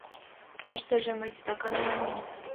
Тыштыже мый титакан улам мо?